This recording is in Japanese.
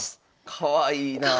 かわいいなあ。